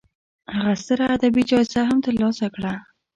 هغه ستره ادبي جایزه هم تر لاسه کړه.